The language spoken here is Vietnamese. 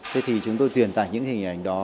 thế thì chúng tôi truyền tải những hình ảnh đó